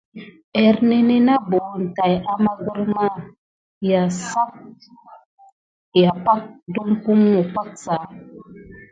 Ernénè na buna täki amà grirmà sem.yà saki depumosok kà.